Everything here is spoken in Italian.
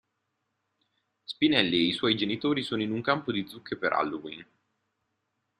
Spinelli e i suoi genitori sono in un campo di zucche per Halloween.